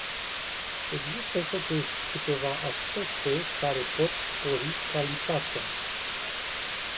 Există totuși câteva aspecte care pot spori calitatea.